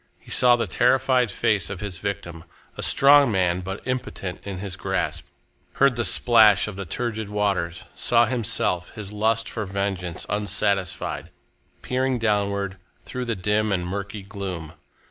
He saw the terrified face of his victim, a strong man but impotent in his grasp; heard the splash of the turgid waters; saw himself, his lust for vengeance unsatisfied, peering downwards through the dim and murky gloom.